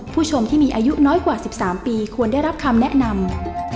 ผู้ชมที่มีอายุน้อยกว่า๑๓ปีควรได้รับคำแนะนำ